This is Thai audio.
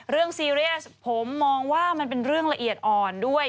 ซีเรียสผมมองว่ามันเป็นเรื่องละเอียดอ่อนด้วย